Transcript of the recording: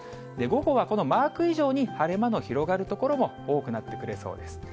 午後はこのマーク以上に晴れ間の広がる所も多くなってくれそうです。